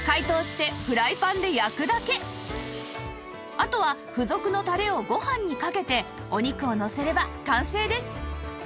あとは付属のタレをご飯にかけてお肉をのせれば完成です